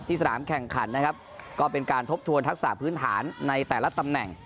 สนามแข่งขันนะครับก็เป็นการทบทวนทักษะพื้นฐานในแต่ละตำแหน่ง